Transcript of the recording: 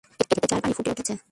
কেতলিতে চায়ের পানি ফুটে উঠেছে।